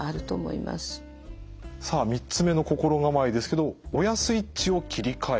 さあ３つ目の心構えですけど「親スイッチを切り替える」。